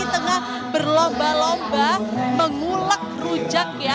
tengah berlomba lomba mengulak rujak ya